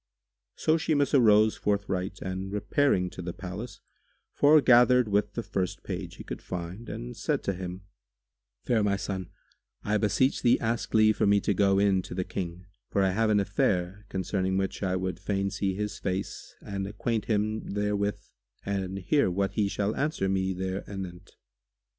"[FN#144] So Shimas arose forthright and repairing to the palace, foregathered with the first page he could find and said to him, "Fair my son, I beseech thee ask leave for me to go in to the King, for I have an affair, concerning which I would fain see his face and acquaint him therewith and hear what he shall answer me there anent."